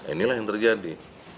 inilah yang terjadi